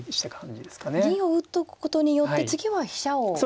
銀を打っとくことによって次は飛車を走れると。